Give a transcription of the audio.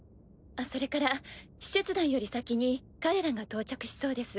それから使節団より先に彼らが到着しそうです。